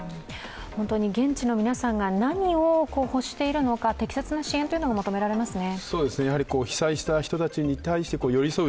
現地の皆さんが何を欲しているのか、適切な支援が求められますね。